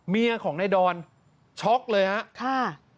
เมียของนายดอนช็อกเลยครับ